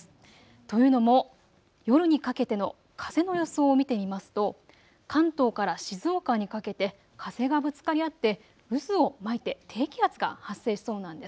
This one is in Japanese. というのも夜にかけての風の予想を見てみますと関東から静岡にかけて風がぶつかり合って渦を巻いて低気圧が発生しそうなんです。